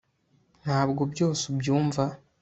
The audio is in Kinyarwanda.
ntabwo byose ubyumva